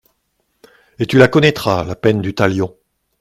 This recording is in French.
Et tu la connaîtras, la peine du talion !